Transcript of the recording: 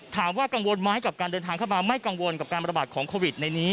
กังวลไหมกับการเดินทางเข้ามาไม่กังวลกับการระบาดของโควิดในนี้